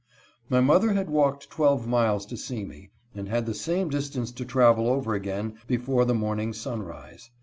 My mother had walked twelve miles to see me, and had the same distance to travel over again before the morning sunrise.